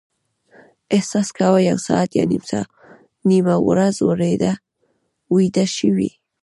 احساس کاوه یو ساعت یا نیمه ورځ ویده شوي.